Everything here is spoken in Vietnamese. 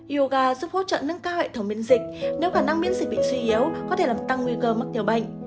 yoga giúp hỗ trợ nâng cao hệ thống miễn dịch nếu khả năng miễn dịch bị suy yếu có thể làm tăng nguy cơ mắc tiểu bệnh